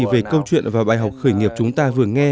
về câu chuyện và bài học khởi nghiệp chúng ta vừa nghe